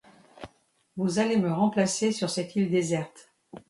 Vous allez me remplacer sur cette île déserte.